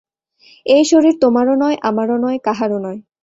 এই শরীর তোমারও নয়, আমারও নয়, কাহারও নয়।